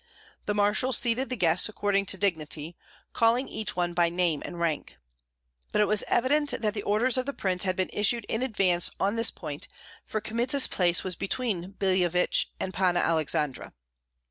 The marshal seated the guests according to dignity, calling each one by name and rank. But it was evident that the orders of the prince had been issued in advance on this point, for Kmita's place was between Billevich and Panna Aleksandra.